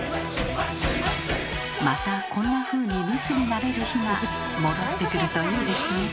またこんなふうに密になれる日が戻ってくるといいですね。